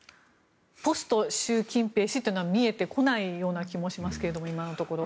ポスト習近平氏というのは見えてこないような気もしますが今のところ。